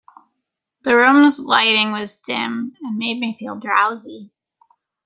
The rooms lighting was dim and made me feel drowsy.